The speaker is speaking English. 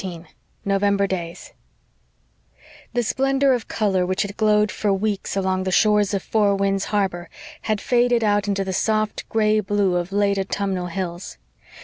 CHAPTER 14 NOVEMBER DAYS The splendor of color which had glowed for weeks along the shores of Four Winds Harbor had faded out into the soft gray blue of late autumnal hills.